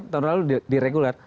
tahun lalu di regular